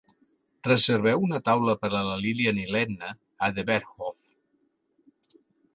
reserveu una taula per a la Lillian i l'Edna a The Berghoff